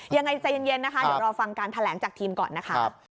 ยังไงใจเย็นนะคะเดี๋ยวรอฟังการแถลงจากทีมก่อนนะคะ